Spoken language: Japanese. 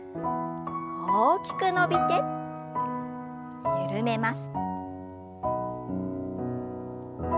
大きく伸びて緩めます。